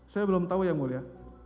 saya belum tahu ya mulia